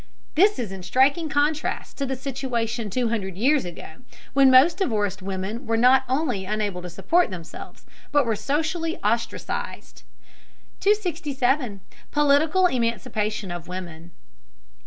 This is in striking contrast to the situation two hundred years ago, when most divorced women were not only unable to support themselves, but were socially ostracized. 267. POLITICAL EMANCIPATION OF WOMEN.